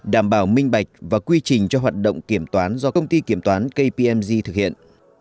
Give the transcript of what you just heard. đảm bảo minh bạch và quy trình cho hoạt động kiểm toán do công ty kiểm toán kng thực hiện